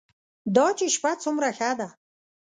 دا چې شپه څومره ښه ده.